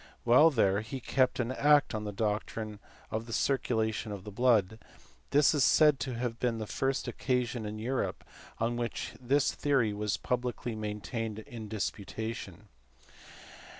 While there he kept an " act " on the doctrine of the circulation of the blood this is said to have been the first occasion in Europe on which this theory was publicly maintained in a disputation.